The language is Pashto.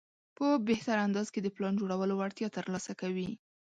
په بهتر انداز کې د پلان جوړولو وړتیا ترلاسه کوي.